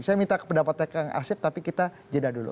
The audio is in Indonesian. saya minta pendapat tk arsif tapi kita jeda dulu